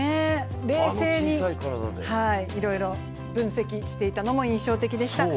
冷静にいろいろ分析していたのも印象的でした。